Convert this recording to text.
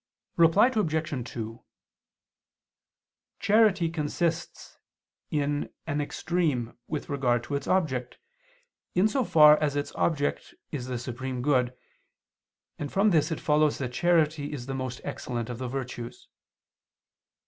Reply Obj. 2: Charity consists in an extreme with regard to its object, in so far as its object is the Supreme Good, and from this it follows that charity is the most excellent of the virtues.